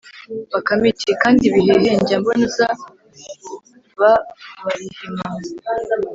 Bakame iti: Kandi Bihehe njya mbona uzaba Barihima